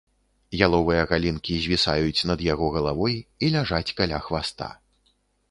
Яловыя галінкі звісаюць над яго галавой і ляжаць каля хваста.